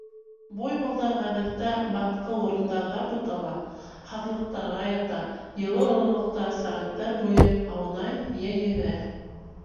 Буйволдар, ғәҙәттә, батҡыл урындарҙа бутала, һаҙлыҡтарға ята, йылы ылымыҡта сәғәттәр буйы аунай йә йөҙә.